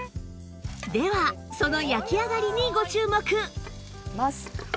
ではその焼き上がりにご注目！